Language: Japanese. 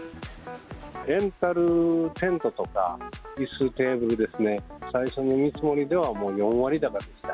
レンタルテントとかいす、テーブルですね、最初の見積もりでは４割高でした。